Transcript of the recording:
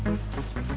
si debbie berubah